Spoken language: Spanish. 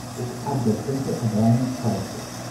Es adyacente a Bryant Park.